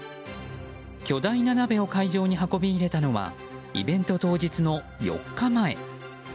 巨大な鍋を会場に運び入れたのはイベント当日の４日前。